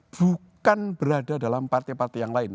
bukan berada dalam partai partai yang lain